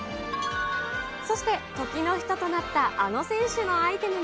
そして、時の人となったあの選手のアイテムも。